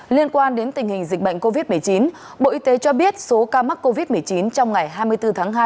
liên quan đến tình hình dịch bệnh covid một mươi chín bộ y tế cho biết số ca mắc covid một mươi chín trong ngày hai mươi bốn tháng hai